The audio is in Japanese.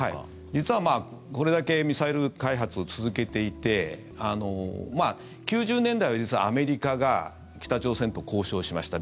実はこれだけミサイル開発を続けていて９０年代は、アメリカが北朝鮮と交渉しました。